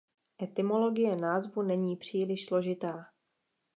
Etymologie názvu není příliš složitá.